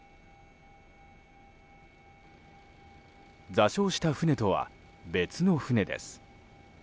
座礁した船とは別の船です。